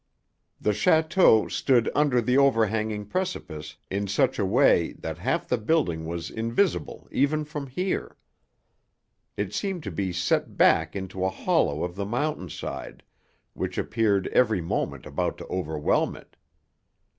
The château stood under the overhanging precipice in such a way that half the building was invisible even from here. It seemed to be set back into a hollow of the mountainside, which appeared every moment about to overwhelm it.